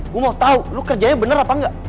gue mau tau lo kerjanya bener apa engga